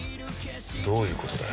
どういうことだよ。